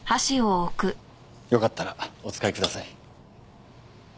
よかったらお使いください。